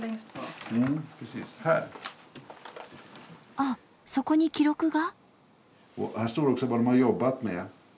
あっそこに記録が？